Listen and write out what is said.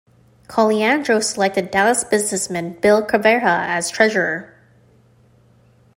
Colyandro selected Dallas businessman Bill Ceverha as treasurer.